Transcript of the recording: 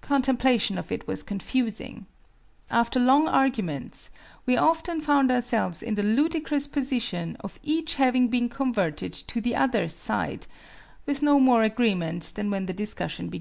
Contemplation of it was confusing. After long arguments we often found ourselves in the ludicrous position of each having been converted to the other's side, with no more agreement than when the discussion began.